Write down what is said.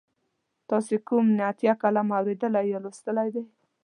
تاسې کوم نعتیه کلام اوریدلی یا لوستلی دی؟